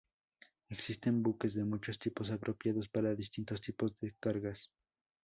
Existen buques de muchos tipos, apropiados para distintos tipos de cargas.